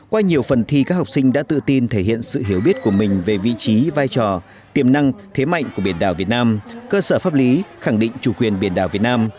qua nhiều phần thi các học sinh đã tự tin thể hiện sự hiểu biết của mình về vị trí vai trò tiềm năng thế mạnh của biển đảo việt nam cơ sở pháp lý khẳng định chủ quyền biển đảo việt nam